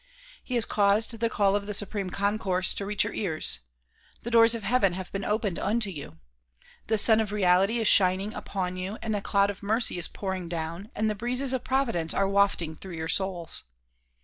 He has caused the call of the Supreme Concourse to reach your ears. The doors of heaven have been opened unto you. The Sun of Reality is shining upon you, the cloud of mercy is pouring down and the breezes of providence are wafting through your souls.